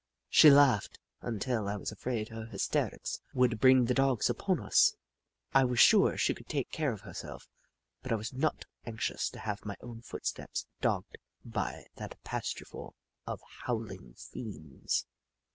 She laughed until I was afraid her hysterics would bring the Dogs upon us. I was sure she could take care of herself, but I was not anxious to have my own footsteps dogged by that pastureful of howling fiends.